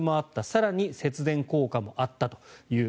更に、節電効果もあったという。